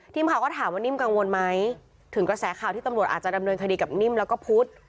ทีมข่าวก็ถามว่านิ่มกังวลไหมถึงกระแสข่าวที่ตำรวจอาจจะดำเนินคดีกับนิ่มแล้วก็พุทธ